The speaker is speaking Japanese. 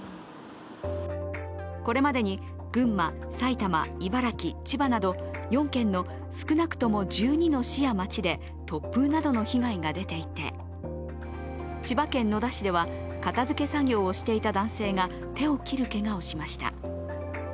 これまでに群馬、埼玉、茨城千葉など、４県の少なくとも１２の市や町で突風などの被害が出ていて千葉県野田市では片づけ作業をしていた男性が手を切るけがをしました。